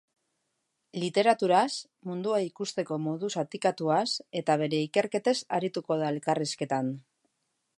Literaturaz, mundua ikusteko modu zatikatuaz eta bere ikerketez arituko da elkarrizketan.